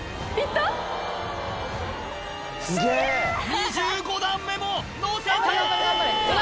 ２５段目ものせた！